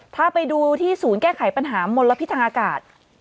ถ้าไปดูที่ศูนย์แก้ไขปัญหามลพิษทางอากาศ